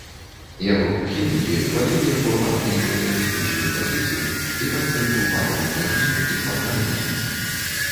Яго прыхільнікі хвалілі яго антыімперыялістычную пазіцыю і падтрымку панафрыканізму і панарабізму.